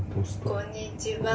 「こんにちは」。